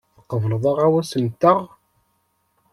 Teqbel aɣawas-nteɣ.